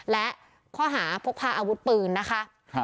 และข้อหาพกพาอาวุธปืนนะคะ